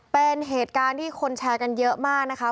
เป็นเหตุการณ์ที่คนแชร์กันเยอะมากนะคะ